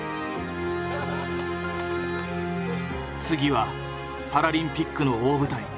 次はパラリンピックの大舞台。